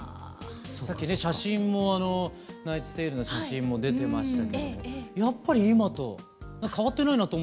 さっきね「ナイツ・テイル」の写真も出てましたけどもやっぱり今と変わってないなと思ってましたけど。